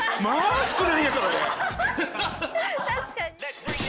確かに。